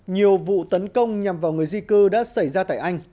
nhiều vụ tấn công nhằm vào người di cư đã xảy ra tại anh